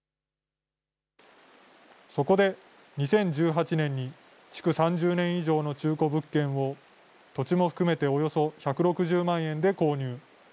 そこで、２０１８年に築３０年以上の中古物件を、土地も含めておよそ１６０万円で購入。